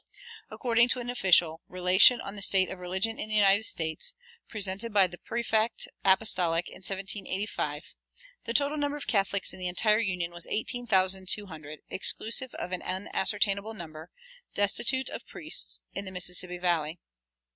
According to an official "Relation on the State of Religion in the United States," presented by the prefect apostolic in 1785, the total number of Catholics in the entire Union was 18,200, exclusive of an unascertainable number, destitute of priests, in the Mississippi Valley.